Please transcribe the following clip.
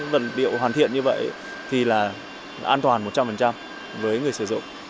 vật liệu hoàn thiện như vậy thì là an toàn một trăm linh với người sử dụng